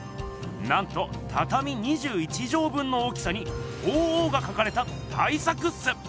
なんとたたみ２１畳分の大きさに鳳凰がかかれた大作っす！